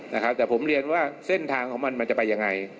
นะครับแต่ผมเรียนว่าเส้นทางของมันมันจะไปยังไง